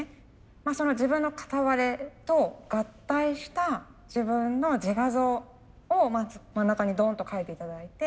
自分の片割れと合体した自分の自画像をまず真ん中にドンと描いて頂いて。